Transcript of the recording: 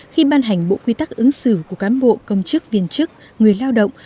khi ban hành bộ quy tắc ứng xử của cán bộ công chức viên chức người lao động